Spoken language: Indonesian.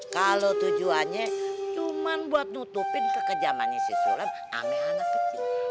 kalau tujuannya cuma buat nutupin kekejaman isi sulam ama anak kecil